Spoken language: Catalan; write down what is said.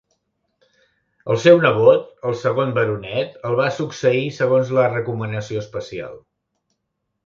El seu nebot, el segon baronet, el va succeir segons la recomanació especial.